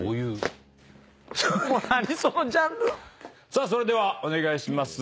さあそれではお願いします。